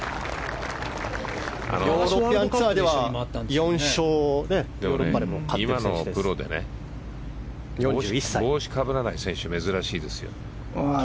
ヨーロピアンツアーでは今のプロで帽子をかぶらない選手は珍しいですよ。